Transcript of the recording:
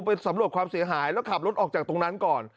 ไปสำรวจความเสียหายแล้วขับรถออกจากตรงนั้นก่อน